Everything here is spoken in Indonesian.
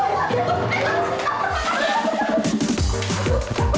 wah ini berapa